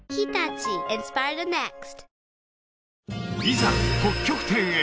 いざ北極点へ！